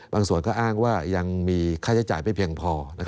ส่วนก็อ้างว่ายังมีค่าใช้จ่ายไม่เพียงพอ